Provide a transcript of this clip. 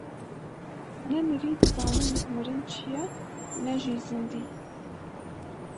Ne mirî dizanin mirin çi ye, ne jî zindî.